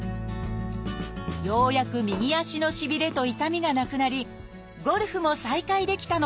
ようやく右足のしびれと痛みがなくなりゴルフも再開できたのです。